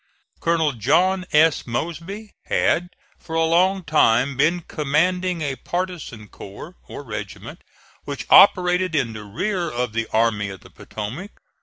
Colonel John S. Mosby had for a long time been commanding a partisan corps, or regiment, which operated in the rear of the Army of the Potomac.